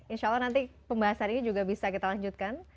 insya allah nanti pembahasan ini juga bisa kita lanjutkan